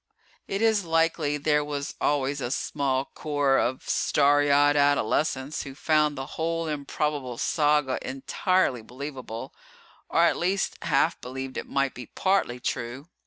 It is likely there was always a small corps of starry eyed adolescents who found the whole improbable saga entirely believable, or at least half believed it might be partly true.